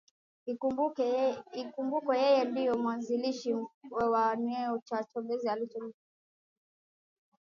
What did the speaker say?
Ikumbukwe yeye ndiye mwanzilishi wa neno Chombeza neno alilolibuni kumaanisha kubembelezana